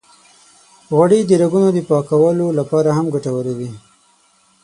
غوړې د رګونو د پاکولو لپاره هم ګټورې دي.